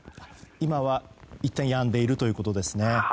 今は、いったんやんでいるということですね。